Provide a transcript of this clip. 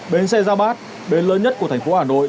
bến xe giáp bát bến lớn nhất của thành phố hà nội